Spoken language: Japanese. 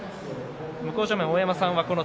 向正面の大山さん